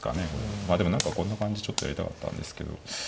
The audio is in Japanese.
まあでも何かこんな感じちょっとやりたかったんですけど。